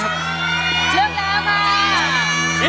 เลือกแล้วมา